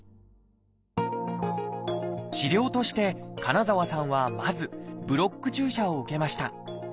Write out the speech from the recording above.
治療として金澤さんはまず「ブロック注射」を受けました。